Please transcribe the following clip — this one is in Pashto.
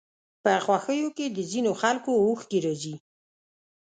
په خوښيو کې د ځينو خلکو اوښکې راځي.